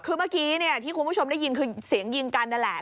คือเมื่อกี้ที่คุณผู้ชมได้ยินคือเสียงยิงกันนั่นแหละ